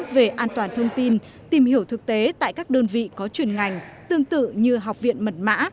về an toàn thông tin tìm hiểu thực tế tại các đơn vị có chuyên ngành tương tự như học viện mật mã